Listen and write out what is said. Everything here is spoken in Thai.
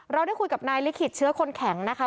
ได้คุยกับนายลิขิตเชื้อคนแข็งนะคะ